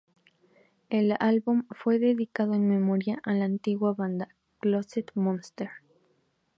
El álbum fue dedicado en memoria a la antigua banda Closet Monster.